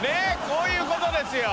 こういうことですよ！